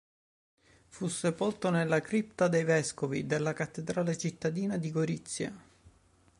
Fu sepolto nella cripta dei vescovi della cattedrale cittadina di Gorizia.